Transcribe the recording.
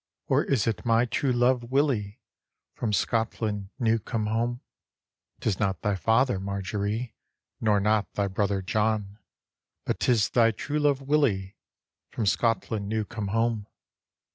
Or is it my true love Willy, From Scotland new come home ?"" Tis not thy father, Marjorie, Nor not thy brother John; But 'tis thy true love Willy From Scotl^d new come home.